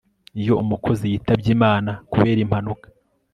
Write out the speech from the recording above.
iyo umukozi yitabye imana kubera impanuka